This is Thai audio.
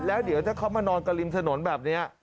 แล้วเดี๋ยวถ้าเขามานอนกับริมถนนแบบนี้